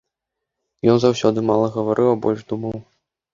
Ён заўсёды мала гаварыў, а больш думаў.